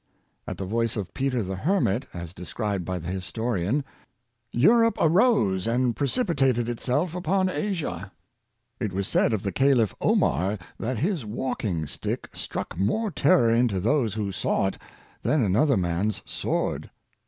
At the voice of Peter the Hermit, as described by the historian, " Europe arose and precipitated itself upon Asia." It was said of the Caliph Omar that his walking stick struck more terror into those who saw it than another man's sword.